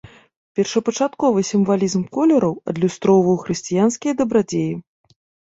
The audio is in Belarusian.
Першапачатковы сімвалізм колераў адлюстроўваў хрысціянскія дабрадзеі.